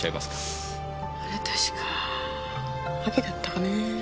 あれは確か秋だったかねぇ。